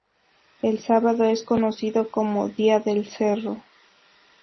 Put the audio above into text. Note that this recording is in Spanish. El sábado es conocido como "Día del Cerro".